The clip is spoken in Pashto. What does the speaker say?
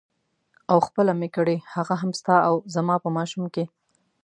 او خپله مې کړې هغه هم ستا او زما په ماشوم کې.